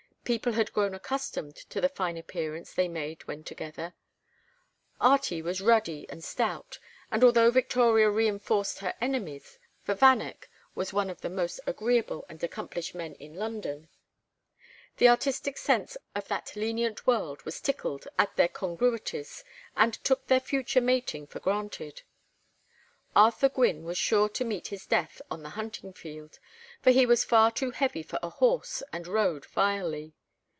People had grown accustomed to the fine appearance they made when together "Artie" was ruddy and stout and although Victoria reinforced her enemies, for Vanneck was one of the most agreeable and accomplished men in London, the artistic sense of that lenient world was tickled at their congruities and took their future mating for granted; Arthur Gwynne was sure to meet his death on the hunting field, for he was far too heavy for a horse and rode vilely.